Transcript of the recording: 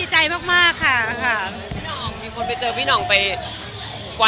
เห็นเราชื่นใจมั้ยค่ะ